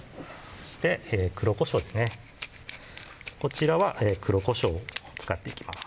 そして黒こしょうですねこちらは黒こしょうを使っていきます